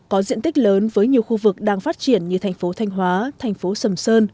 có diện tích lớn với nhiều khu vực đang phát triển như thành phố thanh hóa thành phố sầm sơn